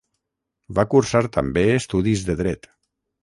Va cursar també estudis de Dret.